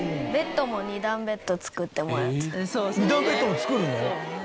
ベッドも２段ベッドも作るの？